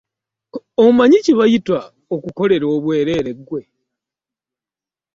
Omanyi kye bayita okukolera obwereere ggwe?